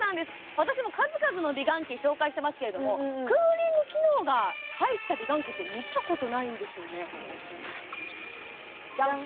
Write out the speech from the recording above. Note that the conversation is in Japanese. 私も数々の美顔器紹介してますけれどもクーリング機能が入った美顔器って見たことないんですよねジャン！